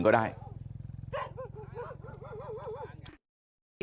เชื่อว่าหมาคุณตาจะกัดลูกไว้แล้วก็ได้